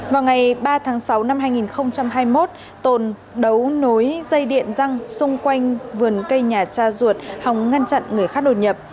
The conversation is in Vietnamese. vào ngày ba tháng sáu năm hai nghìn hai mươi một tồn đấu nối dây điện răng xung quanh vườn cây nhà cha ruột hòng ngăn chặn người khác đột nhập